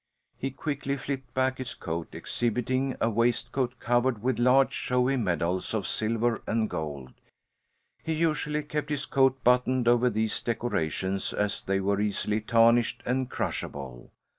He quickly flipped back his coat, exhibiting a waistcoat covered with large showy "medals" of "silver" and "gold." He usually kept his coat buttoned over these decorations as they were easily tarnished, and crushable.